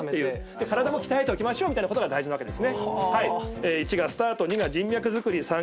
体も鍛えておきましょうみたいなことが大事なわけです。